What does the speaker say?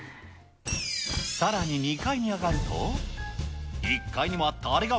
さらに２階に上がると。